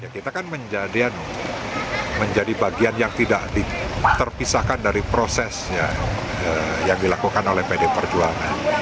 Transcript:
kita kan menjadi bagian yang tidak terpisahkan dari proses yang dilakukan oleh pd perjuangan